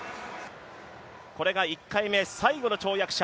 これが１回目最後の跳躍者